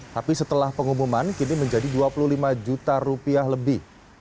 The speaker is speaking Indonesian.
tapi setelah pengumuman kini menjadi dua puluh lima juta rupiah lebih